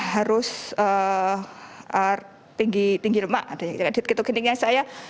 harus tinggi lemak diet ketuk gini yang saya